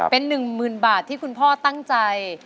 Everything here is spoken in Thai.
เป็นหนึ่งหมื่นบาทที่คุณพ่อตั้งใจ